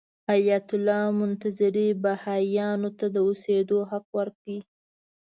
ایت الله منتظري بهايانو ته د اوسېدو حق ورکړ.